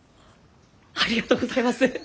ありがとうございます！